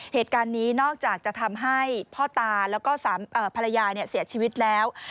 เหตุการณ์นี้นอกจากจะทำให้พ่อตาแล้วก็ภรรยาเสียชีวิตแล้ว